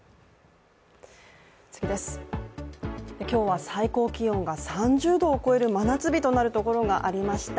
今日は最高気温が３０度を超える真夏日となるところがありました。